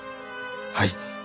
はい。